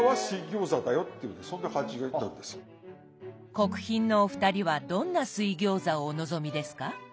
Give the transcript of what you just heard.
国賓のお二人はどんな水餃子をお望みですか？